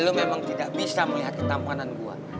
lo memang tidak bisa melihat ketampanan gue